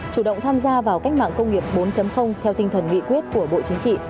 chủ động tham gia vào cách mạng công nghiệp bốn theo tinh thần nghị quyết của bộ chính trị